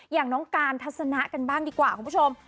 อย่างน้องการทัศนะกันบ้างดีกว่าคุณผู้ชม